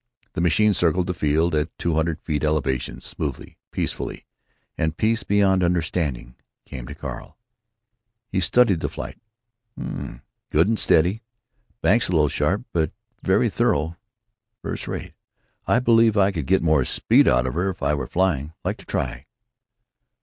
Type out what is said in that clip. The machine circled the field at two hundred feet elevation, smoothly, peacefully. And peace beyond understanding came to Carl. He studied the flight. "Mm. Good and steady. Banks a little sharp, but very thorough. Firs' rate. I believe I could get more speed out of her if I were flying. Like to try."